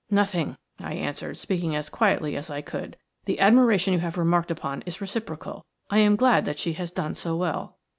"Nothing," I answered, speaking as quietly as I could. "The admiration you have remarked upon is reciprocal. I am glad that she has done so well."